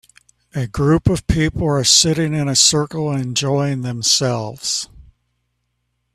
A group of people are sitting in a circle enjoying themselves.